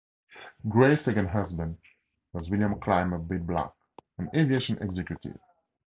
Gray's second husband was William Clymer Bidlack, an aviation executive.